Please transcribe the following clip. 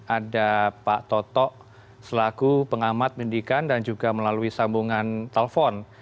ada pak toto selaku pengamat pendidikan dan juga melalui sambungan telepon